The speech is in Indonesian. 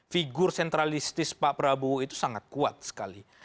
figur sentralistis pak prabowo itu sangat kuat sekali